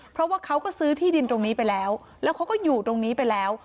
เพราะว่าเขาก็ซื้อที่ดินตรงนี้ไปแล้วแล้วเขาก็อยู่ตรงนี้ไปแล้ว